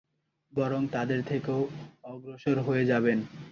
বরং তাদের থেকেও অগ্রসর হয়ে যাবেন।